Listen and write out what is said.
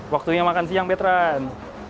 waktunya makan siang betran